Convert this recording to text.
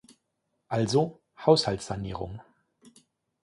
Also Haushaltssanierung!